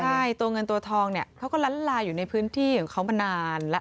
ใช่ตัวเงินตัวทองเนี่ยเขาก็ล้านลาอยู่ในพื้นที่ของเขามานานแล้ว